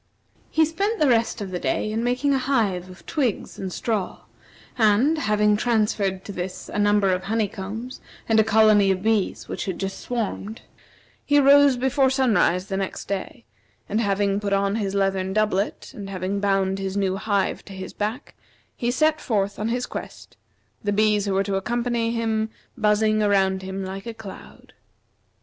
He spent the rest of the day in making a hive of twigs and straw, and, having transferred to this a number of honey combs and a colony of bees which had just swarmed, he rose before sunrise the next day, and having put on his leathern doublet, and having bound his new hive to his back, he set forth on his quest; the bees who were to accompany him buzzing around him like a cloud.